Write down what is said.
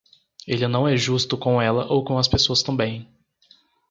Ele não é justo com ela ou com as pessoas também.